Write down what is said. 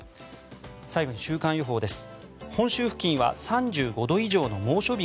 最後に週間予報です。